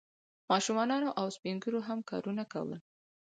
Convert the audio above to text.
ماشومانو او سپین ږیرو هم کارونه کول.